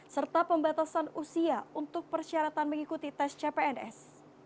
serta pembatasan usia untuk persyaratan mengikuti tes cpns